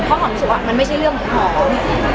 เพราะหอมสูงอ่ะมันไม่ใช่เรื่องของหอม